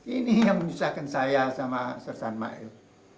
ini yang menyusahkan saya sama sersanmael